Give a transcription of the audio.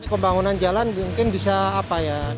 pembangunan jalan mungkin bisa apa ya